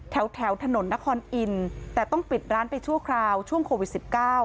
แถวถนนนครอินแต่ต้องปิดร้านไปชั่วคราวช่วงโควิด๑๙